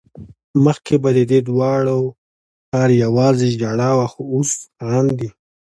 مخکې به ددې دواړو کار يوازې ژړا وه خو اوس خاندي